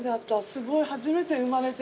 すごい初めて生まれて。